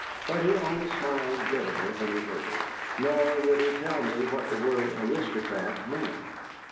But he only smiled bitterly when he heard it. Nor would he tell me what the word aristocrat meant.